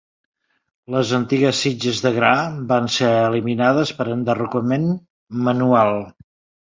Les antigues sitges de gra van ser eliminades per enderrocament manual.